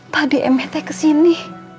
tadi emet teh kesini